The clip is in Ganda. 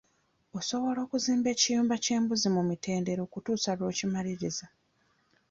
Osobola okuzimba ekiyumba ky'embuzi mu mitendera okutuusa lw'okimaliriza.